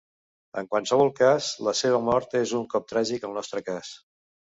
En qualsevol cas, la seva mort és un cop tràgic al nostre cas.